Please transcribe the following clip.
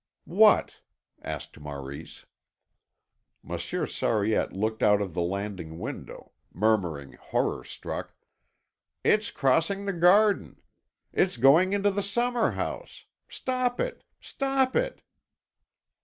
"What?" asked Maurice. Monsieur Sariette looked out of the landing window, murmuring horror struck: "It's crossing the garden! It's going into the summer house. Stop it, stop it!"